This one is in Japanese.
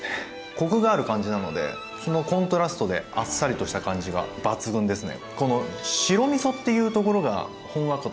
コクがある感じなのでそのコントラストであっさりとした感じが抜群ですね。